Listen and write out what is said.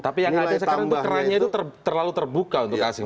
tapi yang ada sekarang itu kerannya itu terlalu terbuka untuk asing